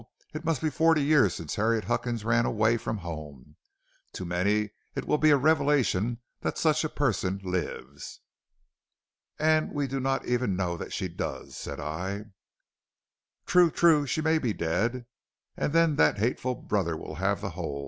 It must be forty years since Harriet Huckins ran away from home. To many it will be a revelation that such a person lives.' "'And we do not even know that she does,' said I. "'True, true, she may be dead, and then that hateful brother will have the whole.